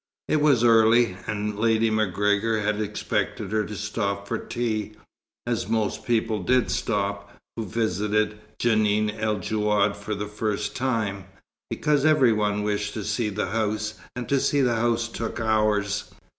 It was early, and Lady MacGregor had expected her to stop for tea, as most people did stop, who visited Djenan el Djouad for the first time, because every one wished to see the house; and to see the house took hours.